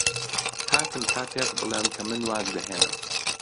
هاتم تا پێت بڵێم کە من واز دەهێنم.